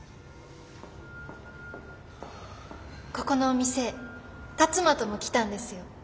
ここのお店辰馬とも来たんですよ。